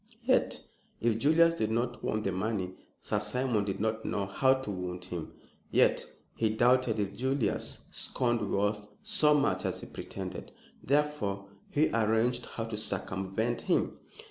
Yet if Julius did not want the money, Sir Simon did not know how to wound him. Yet he doubted if Julius scorned wealth so much as he pretended; therefore he arranged how to circumvent him.